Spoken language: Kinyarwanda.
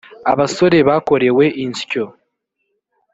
abasore bakorewe insyo.